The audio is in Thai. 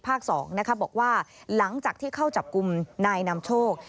๒บอกว่าหลังจากที่เข้าจับกลุ่มนายนำโชค